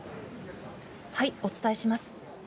お伝えします。